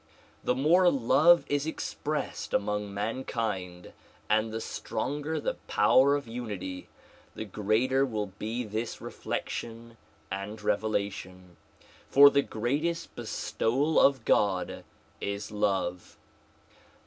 The more love is expressed among mankind and the stronger the power of unity, the greater will be this retiection and revelation, for the greatest bestowal of God is love.